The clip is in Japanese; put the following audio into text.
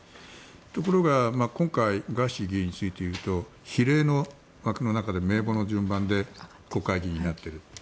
ところが今回ガーシー議員について言うと比例の枠の中で名簿の順番で国会議員になっていると。